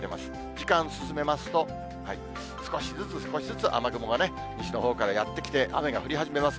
時間進めますと、少しずつ少しずつ、雨雲がね、西のほうからやって来て、雨が降り始めます。